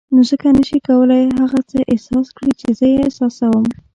نو ځکه نه شې کولای هغه څه احساس کړې چې زه یې احساسوم.